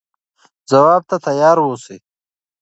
ځواب ته تیار اوسئ.